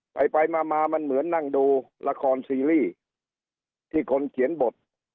ไปไปมามามันเหมือนนั่งดูละครซีรีส์ที่คนเขียนบท